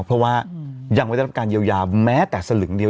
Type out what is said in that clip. เพราะว่ายังไม่ได้รับการเยียวยาแม้แต่สลึงเดียว